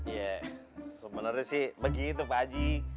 ya sebenernya sih begitu pak waji